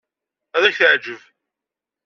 Ad ak-teɛjeb.